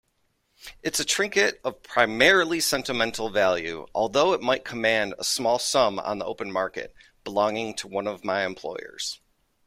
It's a trinket of primarily sentimental value, although it might command a small sum on the open market, belonging to one of my employers.